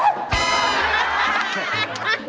ว๊าวฮ่า